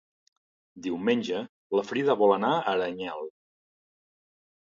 Diumenge na Frida vol anar a Aranyel.